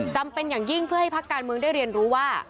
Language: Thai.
เป็นอย่างยิ่งเพื่อให้พักการเมืองได้เรียนรู้ว่า